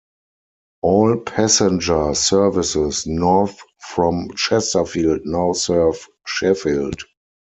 All passenger services north from Chesterfield now serve Sheffield.